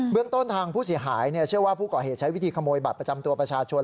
เรื่องต้นทางผู้เสียหายเชื่อว่าผู้ก่อเหตุใช้วิธีขโมยบัตรประจำตัวประชาชน